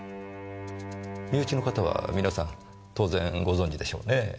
身内の方は皆さん当然ご存じでしょうねぇ。